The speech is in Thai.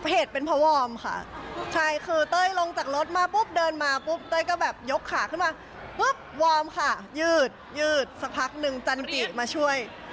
เหตุเป็นเพราะวอร์มค่ะใช่คือเต้ยลงจากรถมาปุ๊บเดินมาปุ๊บเต้ยก็แบบยกขาขึ้นมาปุ๊บวอร์มค่ะยืดยืดสักพักนึงจันกิมาช่วย